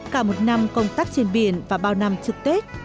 cả một năm công tác trên biển và bao năm trực tết